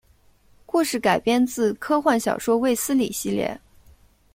故事改编自科幻小说卫斯理系列。